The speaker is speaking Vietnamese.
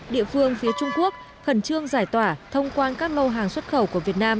địa phương phía trung quốc khẩn trương giải tỏa thông quan các lô hàng xuất khẩu của việt nam